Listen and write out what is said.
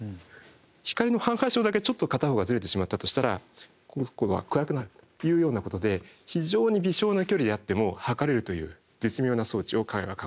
光の干渉だけちょっと片方がずれてしまったとしたらここは暗くなるというようなことで非常に微少な距離であっても測れるという絶妙な装置を彼は考え出しました。